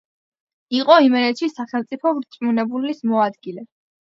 იყო იმერეთში სახელმწიფო რწმუნებულის მოადგილე.